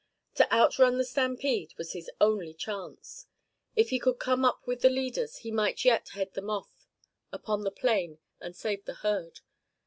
To outrun the stampede was his only chance. If he could come up with the leaders he might yet head them off upon the plain and save the herd.